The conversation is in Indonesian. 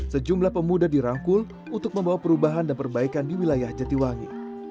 sejumlah pemuda dirangkul untuk membawa perubahan dan perbaikan di wilayah jatiwangi